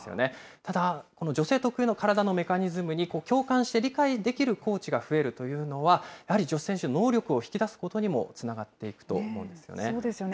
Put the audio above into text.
ただ、この女性特有の体のメカニズムに共感して理解できるコーチが増えるというのは、やはり女子選手の能力を引き出すことにもつそうですよね。